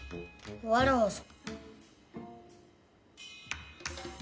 わらわぞ。